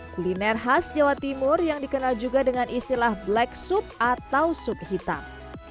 kuliner khas jawa timur yang dikenal juga dengan istilah black sup atau sup hitam